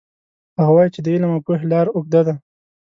هغه وایي چې د علم او پوهې لار اوږده ده